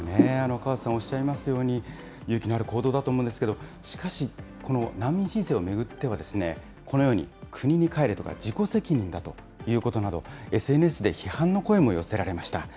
河瀬さんおっしゃいますように、勇気のある行動だと思うんですけど、しかしこの難民申請を巡っては、このように国に帰れとか、自己責任だということなど、ＳＮＳで批判の声も寄せられました。